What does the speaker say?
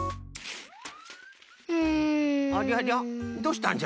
うん。